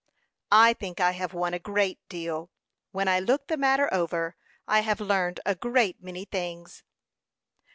"I think I have won a great deal, when I look the matter over. I have learned a great many things."